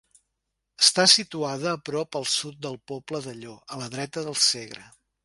Està situada a prop al sud del poble de Llo, a la dreta del Segre.